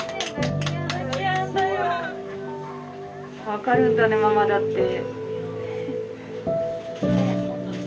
分かるんだねママだって。